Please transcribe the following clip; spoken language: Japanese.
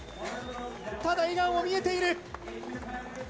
ただ笑顔も見えている。